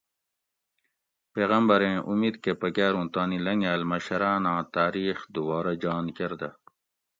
پیغمبریں اُمِت کہ پکاروں تانی لنگاۤل مشراناں تاریخ دوبارہ جان کرۤدہ